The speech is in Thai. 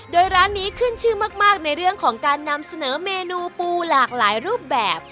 โดยร้านนี้ขึ้นชื่อมากในเรื่องของการนำเสนอเมนูปูหลากหลายรูปแบบ